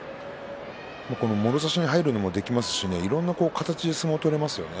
もろ差しに入ることもできますしいろんな形で相撲を取れますよね